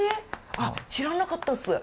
あっ知らなかったっす。